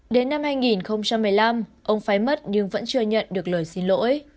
đến năm hai nghìn một mươi năm ông phải mất nhưng vẫn chưa nhận được lời xin lỗi